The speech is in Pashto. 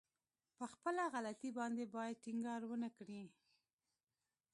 په خپله غلطي باندې بايد ټينګار ونه کړي.